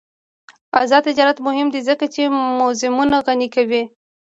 آزاد تجارت مهم دی ځکه چې موزیمونه غني کوي.